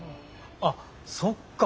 あっそっか！